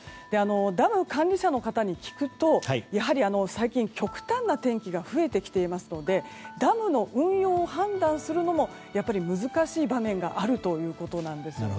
ダム管理者の方に聞くとやはり最近、極端な天気が増えてきていますのでダムの運用を判断するのも難しい場面があるということなんですね。